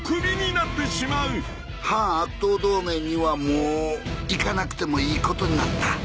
「反悪党同盟にはもう行かなくてもいいことになった」